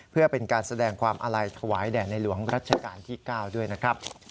เพื่อเป็นการแสดงความอาลัยถวายแด่ในหลวงรัชกาลที่๙ด้วยนะครับ